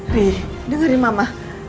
riri dengerin mama